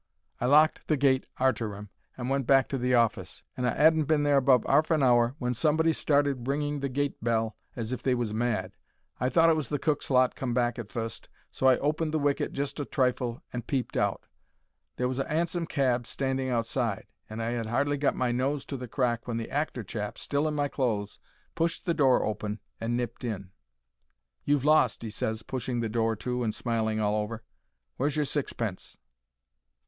I locked the gate arter 'em and went back to the office, and I 'adn't been there above 'arf an hour when somebody started ringing the gate bell as if they was mad. I thought it was the cook's lot come back at fust, so I opened the wicket just a trifle and peeped out. There was a 'ansom cab standing outside, and I 'ad hardly got my nose to the crack when the actor chap, still in my clothes, pushed the door open and nipped in. "You've lost," he ses, pushing the door to and smiling all over. "Where's your sixpence?"